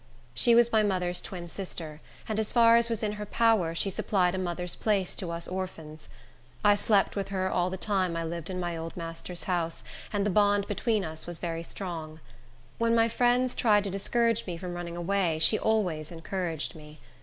She was my mother's twin sister, and, as far as was in her power, she supplied a mother's place to us orphans. I slept with her all the time I lived in my old master's house, and the bond between us was very strong. When my friends tried to discourage me from running away; she always encouraged me.